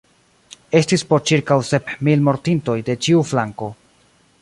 Estis po ĉirkaŭ sep mil mortintoj de ĉiu flanko.